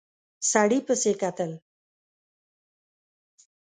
سړي پسې کتل.